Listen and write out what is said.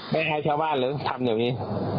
ไม่อายเช้าบ้านหรือทำอย่างนี้